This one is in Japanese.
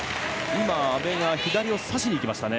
今、阿部が左を差しにいきましたね。